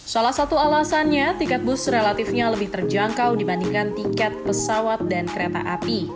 salah satu alasannya tiket bus relatifnya lebih terjangkau dibandingkan tiket pesawat dan kereta api